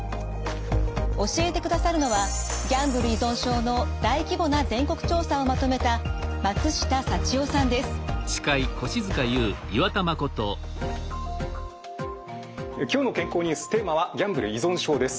教えてくださるのはギャンブル依存症の大規模な全国調査をまとめた「きょうの健康ニュース」テーマはギャンブル依存症です。